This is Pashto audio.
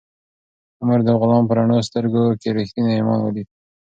عمر د غلام په رڼو سترګو کې ریښتینی ایمان ولید.